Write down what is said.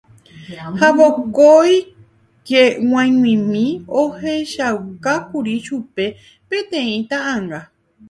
ha vokóike g̃uaig̃uimi ohechaukákuri chupe peteĩ ta'ãnga